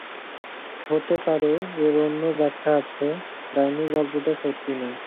হতে পারে, এর অন্য ব্যাখ্যা আছে, ডাইনির গল্প টা সত্যি না।